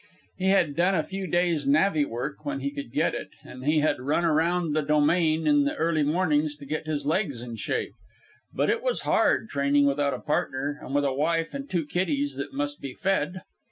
He had done a few days' navvy work when he could get it, and he had run around the Domain in the early mornings to get his legs in shape. But it was hard, training without a partner and with a wife and two kiddies that must be fed.